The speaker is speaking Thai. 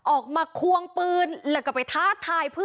ออกมาควงปืนแล้วก็ไปถาดทายเพื่อน